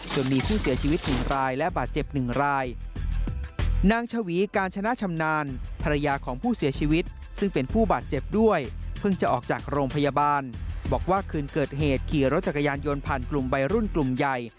จนมีผู้เสียชีวิตหนึ่งรายและบาดเจ็บหนึ่งราย